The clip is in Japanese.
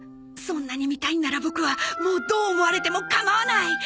そんなに見たいんならボクはもうどう思われても構わない！